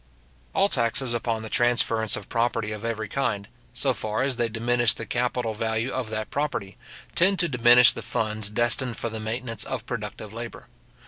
All taxes upon the transference of property of every kind, so far as they diminish the capital value of that property, tend to diminish the funds destined for the maintenance of productive labour.